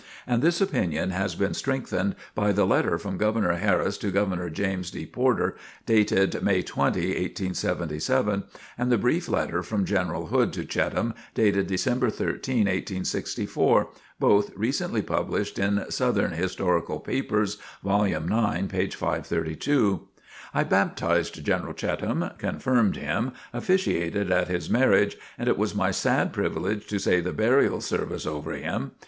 And this opinion has been strengthened by the letter from Governor Harris to Governor James D. Porter, dated May 20, 1877, and the brief letter from General Hood to Cheatham, dated December 13, 1864, both recently published in "Southern Historical Papers," vol. 9, p. 532. I baptized General Cheatham, confirmed him, officiated at his marriage, and it was my sad privilege to say the burial service over him.